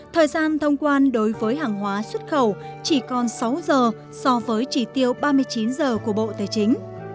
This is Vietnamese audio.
thời gian thông quan đối với hàng hóa xuất khẩu chỉ còn sáu giờ so với chỉ tiêu ba mươi chín giờ của bộ tài chính